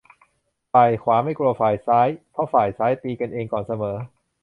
ฝ่ายขวาไม่กลัวฝ่ายซ้าย เพราะฝ่ายซ้ายตีกันเองก่อนเสมอ